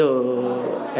thì em có nhặt về